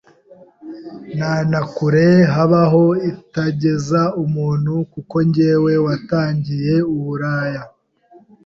nta na kure habaho itageza umuntu kuko njyewe watangiye uburaya